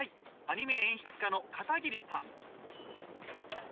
アニメ演出家の片桐さん。